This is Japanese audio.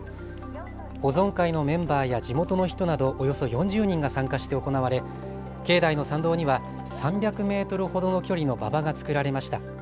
保存会のメンバーや地元の人などおよそ４０人が参加して行われ境内の参道には３００メートルほどの距離の馬場が作られました。